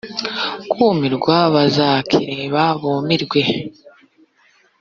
kumirwa bazakireba bumirwe